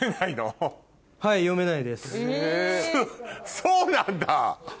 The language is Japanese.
そうなんだ。